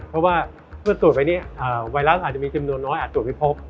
เพราะว่าเมื่อตรวจไปนี้ไวรัสอาจจะมีจำนวนน้อยอาจตรวจไม่พบ